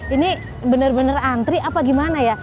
ini bener bener antri apa gimana ya